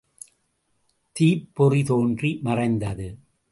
தீப்பொறி தோன்றி மறைந்தது.